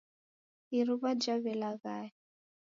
Iruw'a jaw'elaghaya.